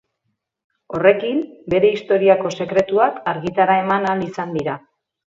Horrekin, bere historiako sekretuak argitara eman ahal izan dira.